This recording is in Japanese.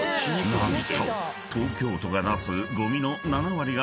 ［何と］